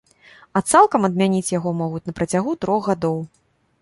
А цалкам адмяніць яго могуць на працягу трох гадоў.